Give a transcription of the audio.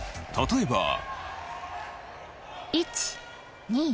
例えば。